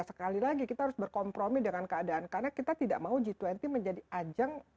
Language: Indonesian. sekali lagi kita harus berkompromi dengan keadaan karena kita tidak mau g dua puluh menjadi ajang